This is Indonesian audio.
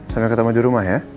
sambil ketemu di rumah ya